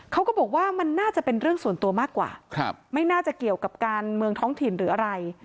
เขาก็บอกว่ามันน่าจะเป็นเรื่องส่วนตัวมากกว่าไม่น่าจะเกี่ยวกับการเมืองท้องถิ่นหรืออะไร